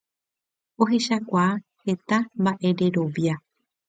ohechauka heta mba'ererovia